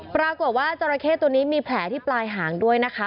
ปรากฏว่าจราเข้ตัวนี้มีแผลที่ปลายหางด้วยนะคะ